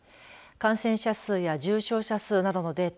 感染者数や重症者数などのデータ